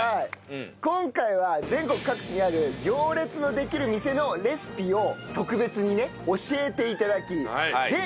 今回は全国各地にある行列のできる店のレシピを特別にね教えて頂きで